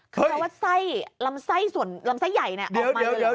เห้ยคือว่าไส้ลำไส้ส่วนลำไส้ใหญ่น่ะออกมาเลยหรือเปล่า